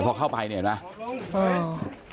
พอเข้าไปเห็นไหม